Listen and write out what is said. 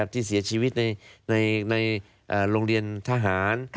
ที่เสียชีวิตในโรงเรียนทหาร